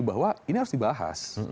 bahwa ini harus dibahas